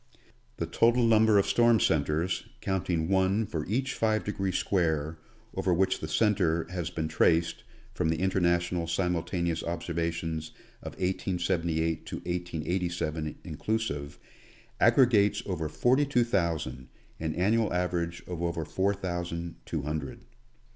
The total number of storm centers, counting one for each 6 de gree square over which the centre has been traced from the In ternational Simultaneous observations of 1878 to 1887, inclusive, aggregates over forty two thousand, an annual average of over four thousand two hundred.